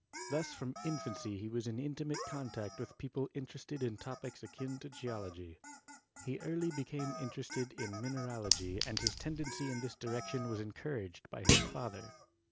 Thus from infancy he was in intimate con tact with people interested in topics akin to Geology. He early became interested in mineralogy and his tendency in this direction was encouraged by his father.